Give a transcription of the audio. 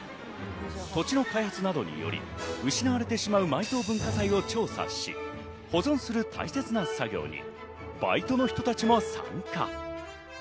土地の開発などにより失われてしまう埋蔵文化財の調査し、保存する大切な作業にバイトの人たちが参加。